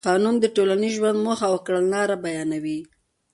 قانون د ټولنیز ژوند موخه او کړنلاره بیانوي.